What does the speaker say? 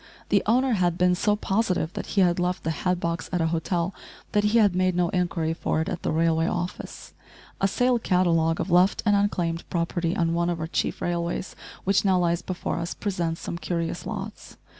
The owner had been so positive that he had left the hat box at a hotel that he had made no inquiry for it at the railway office. A sale catalogue of left and unclaimed property on one of our chief railways, which now lies before us, presents some curious "lots."